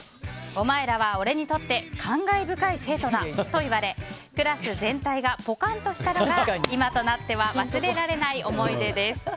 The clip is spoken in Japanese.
お前らは、俺にとって感慨深い生徒だと言われクラス全体がポカンとしたのが今となってははあみたいな。